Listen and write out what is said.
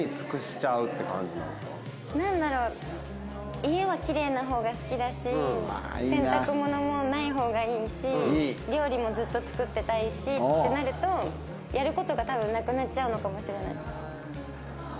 なんだろう家はキレイな方が好きだし洗濯物もない方がいいし料理もずっと作っていたいしってなるとやる事が多分なくなっちゃうのかもしれない。